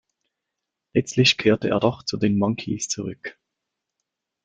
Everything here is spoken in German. Letztlich kehrte er doch zu den Monkees zurück.